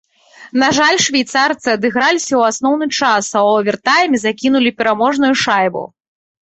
На жаль, швейцарцы адыграліся ў асноўны час, а ў авертайме закінулі пераможную шайбу.